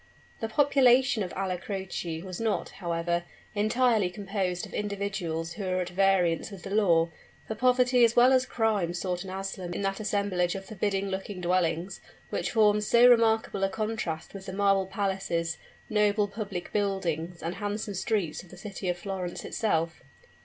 The population of Alla Croce was not, however, entirely composed of individuals who were at variance with the law, for poverty as well as crime sought an asylum in that assemblage of forbidding looking dwellings, which formed so remarkable a contrast with the marble palaces, noble public buildings, and handsome streets of the city of Florence itself.